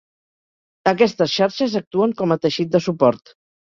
Aquestes xarxes actuen com a teixit de suport.